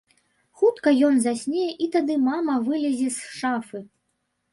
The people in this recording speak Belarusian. Хутка ён засне, і тады мама вылезе з шафы.